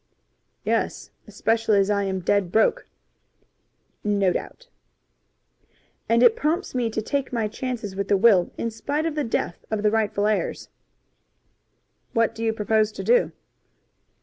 "Yes, especially as I am dead broke." "No doubt." "And it prompts me to take my chances with the will in spite of the death of the rightful heirs." "What do you propose to do?"